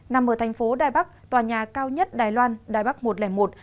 nằm ở thành phố đài bắc tòa nhà cao nhất đài loan đài bắc một trăm linh một